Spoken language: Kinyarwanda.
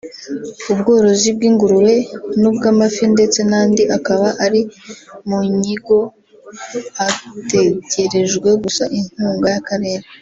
ubworozi bw’ingurube n’ubw’amafi ndetse n’andi akaba ari mu nyigo hategerejwe gusa inkunga y’Akarere